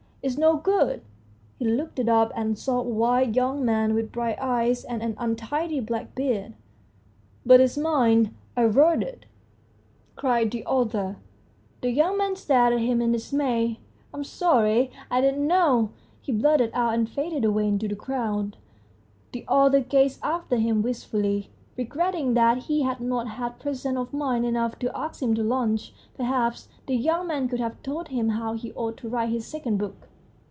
It's no good !" He looked up and saw a wild young man, with bright eyes and an untidy black beard. " But it's mine ; I wrote it," cried the author. The young THE STORY OF A BOOK 143 man stared at him in dismay. "I'm sorry ; I didn't know," he blurted out, and faded away into the crowd. The author gazed after him wistfully, regretting that he had not had presence of mind enough to ask him to lunch. Perhaps the young man could have told him how he ought to write his second book.